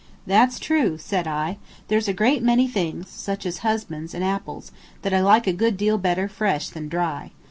"That's true," said I, "there's a great many things, such as husbands and apples, that I like a good deal better fresh than dry.